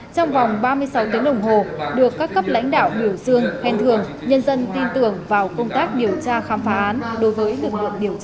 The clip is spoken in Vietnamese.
trong vòng ba mươi sáu tiếng đồng hồ được các cấp lãnh đạo biểu dương khen thường nhân dân tin tưởng vào công tác điều tra khám phá án đối với lực lượng điều tra